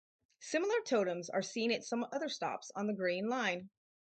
Similar totems are seen at some other stops on the Green Line.